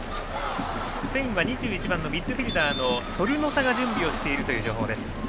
スペインは２１番ミッドフィールダーのソルノサが準備をしている情報。